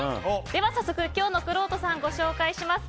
では早速今日のくろうとさんご紹介します。